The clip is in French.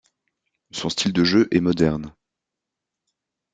Son style de jeu est moderne.